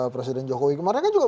presiden jokowi kemarin kan juga